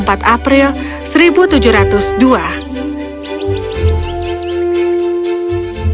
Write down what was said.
ketika mereka berdua berada di rumah mereka berdua berada di rumah mereka